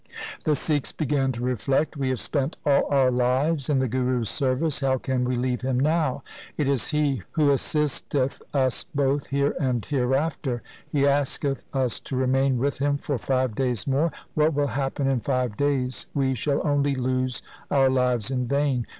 The Sikhs began to reflect —' We have spent all our lives in the Guru's service. How can we leave him now ? It is he who assisteth us both here and hereafter. He asketh us to remain with him for five days more. What will happen in five days ? We shall only lose our lives in vain.